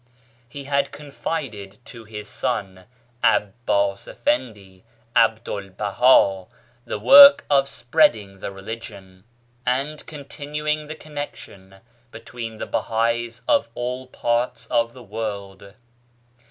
He had confided to his son, 'Abbas Efendi 'Abdu'l Baha, the work of spreading the religion and continuing the connection between the Bahais of all parts of the world.